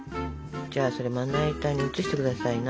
じゃあそれまな板に移して下さいな。